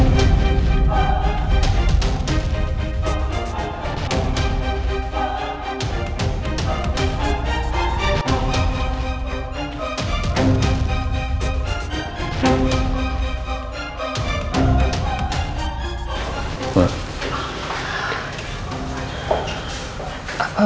pembunuh roy itu seorang perempuan